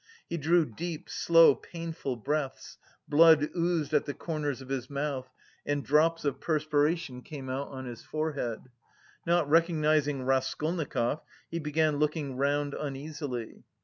He drew deep, slow, painful breaths; blood oozed at the corners of his mouth and drops of perspiration came out on his forehead. Not recognising Raskolnikov, he began looking round uneasily.